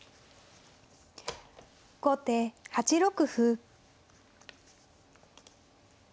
後手８六歩。